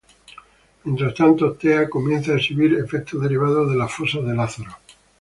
Mientras tanto, Thea comienza a exhibir efectos derivados de las fosas de Lázaro.